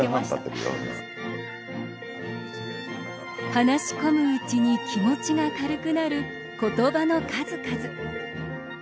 話し込むうちに気持ちが軽くなる言葉の数々。